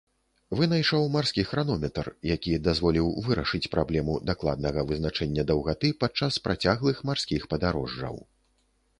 Вынайшаў марскі хранометр, які дазволіў вырашыць праблему дакладнага вызначэння даўгаты падчас працяглых марскіх падарожжаў.